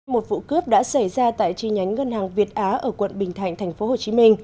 một vụ cướp đã xảy ra tại chi nhánh ngân hàng việt á ở quận bình thạnh tp hcm